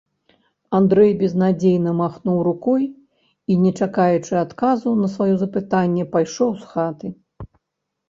Андрэй безнадзейна махнуў рукой і, не чакаючы адказу на сваё запытанне, пайшоў з хаты.